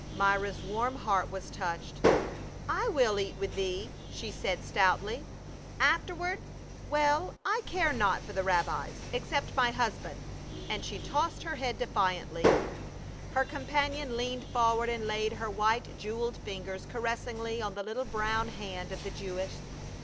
Myra's warm heart was touched. " I will eat with thee," she said stoutly. "Afterward — well, I care not for the rabbis — except my husband." And she tossed her head defiantly. Her companion leaned forward and laid her white jeweled fingers caressingly on the little brown hand of the Jewess.